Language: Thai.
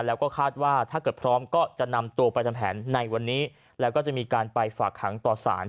แล้วก็คาดว่าถ้าเกิดพร้อมก็จะนำตัวไปทำแผนในวันนี้แล้วก็จะมีการไปฝากขังต่อสาร